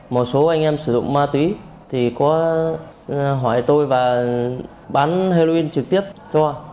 một số anh em sử dụng ma túy thì có hỏi tôi và bán heroin trực tiếp cho